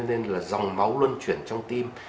nên là dòng máu luân chuyển trong tim